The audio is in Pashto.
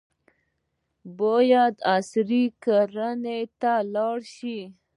باید عصري کرنې ته لاړ شو.